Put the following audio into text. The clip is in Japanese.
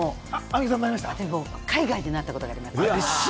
海外でなったことがあります。